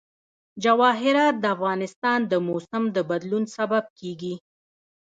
جواهرات د افغانستان د موسم د بدلون سبب کېږي.